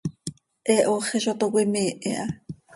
He hooxi zo toc cöimiih iha.